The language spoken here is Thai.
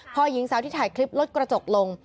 พอหญิงสาวที่ถ่ายคลิปลดกระจกลง